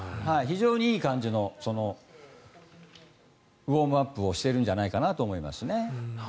非常にいい感じのウォームアップをしてるんじゃないかなと思いますね。